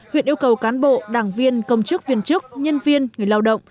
huyện yêu cầu cán bộ đảng viên công chức viên chức nhân viên người lao động